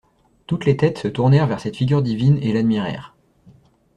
Toutes les têtes se tournèrent vers cette figure divine et l'admirèrent.